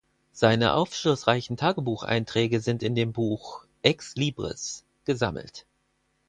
Seine aufschlussreichen Tagebucheinträge sind in dem Buch "Exlibris" gesammelt.